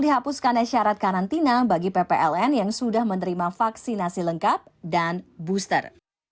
dihapuskannya syarat karantina bagi ppln yang sudah menerima vaksinasi lengkap dan booster